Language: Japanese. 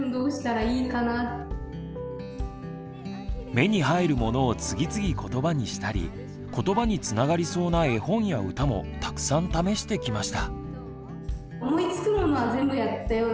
目に入るものを次々ことばにしたりことばにつながりそうな絵本や歌もたくさん試してきました。